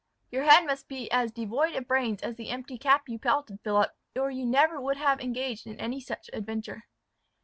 "Your head must be as devoid of brains as the empty cap you pelted, Philip, or you never would have engaged in any such adventure."